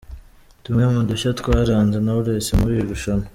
Tumwe mu dushya twaranze Knowless muri iri rushanwa.